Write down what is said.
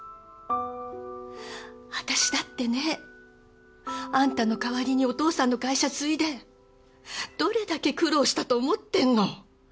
私だってねあんたの代わりにお父さんの会社継いでどれだけ苦労したと思ってんの。